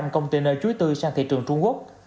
container chuối tươi sang thị trường trung quốc